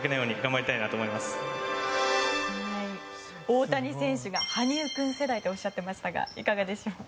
大谷選手が羽生君世代とおっしゃってましたがいかがでしょう。